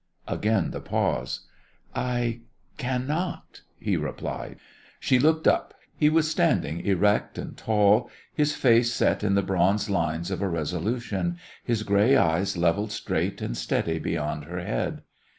Again the pause. "I cannot," he replied. She looked up. He was standing erect and tall, his face set in the bronze lines of a resolution, his gray eyes levelled straight and steady beyond her head.